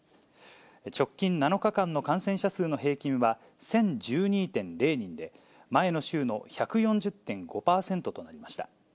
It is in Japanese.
直近７日間の感染者数の平均は１０１２．０人で、前の週の１４０．５％となりました。